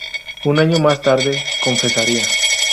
Un año más tarde confesaría.